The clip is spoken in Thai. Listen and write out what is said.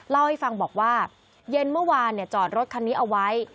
เล่าให้ฟังบอกว่าเย็นเมื่อวานจอดรถคันนี้เอาไว้